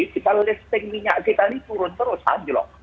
kita listing minyak kita ini turun terus haji loh